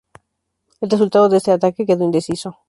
El resultado de este ataque quedó indeciso.